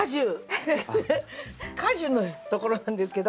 果樹の所なんですけど。